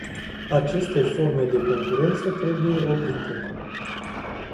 Aceste forme de concurență trebuie oprite.